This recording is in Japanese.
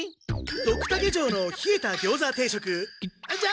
ドクタケ城のひえたギョーザ定食じゃなくて！